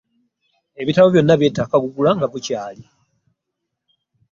Ebitabo byonna byetaaga kugula nga bukyali.